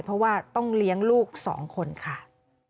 เพราะว่าต้องเลี้ยงลูก๒คนค่ะ